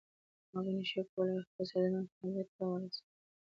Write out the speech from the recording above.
هغه نشي کولای خپل استعدادونه فعلیت ته ورسوي.